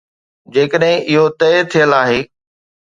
جيڪڏهن اهو طئي ٿيل آهي.